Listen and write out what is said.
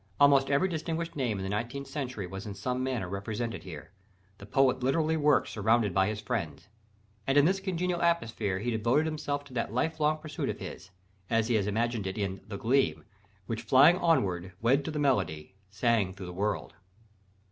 Almost every distinguished name of the nineteenth century was in some manner represented here: the poet literally worked surrounded by his friends. And in this congenial atmosphere he devoted himself to that life long pursuit of his, as he has imaged it in the "Gleam," which "flying onward, wed to the melody, sang through the world."